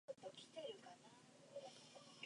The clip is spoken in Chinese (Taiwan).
水龍頭在漏水